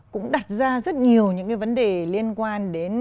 cũng đặt ra rất nhiều những cái vấn đề liên quan đến